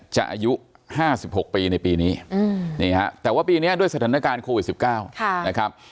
จะอายุ๕๖ปีในปีนี้แต่ว่าปีนี้ด้วยสถานการณ์โควิด๑๙